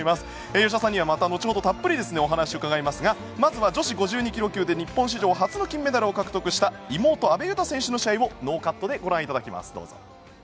吉田さんには後ほどたっぷりお話を伺いますがまずは女子５２ｋｇ級で日本史上初の金メダルを獲得した妹・阿部詩選手の試合をノーカットでご覧いただきます。